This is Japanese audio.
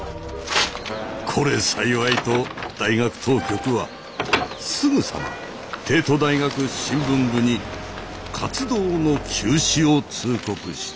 これ幸いと大学当局はすぐさま帝都大学新聞部に活動の休止を通告した。